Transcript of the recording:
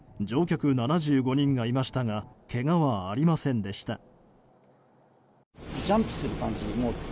乗客７５人がいましたがけがはありませんでした。